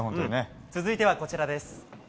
続いては、こちらです。